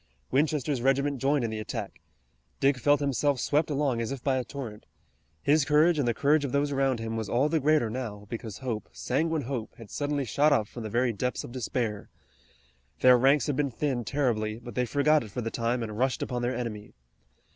Winchester's regiment joined in the attack. Dick felt himself swept along as if by a torrent. His courage and the courage of those around him was all the greater now, because hope, sanguine hope, had suddenly shot up from the very depths of despair. Their ranks had been thinned terribly, but they forgot it for the time and rushed upon their enemy.